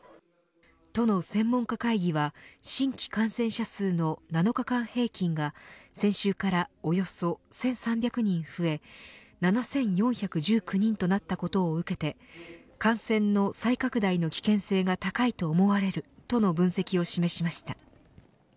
都の専門家会議は新規感染者数の７日間平均が先週からおよそ１３００人増え７４１９人となったことを受けて感染の再拡大の危険性が高いと思われるとの分析を示しました。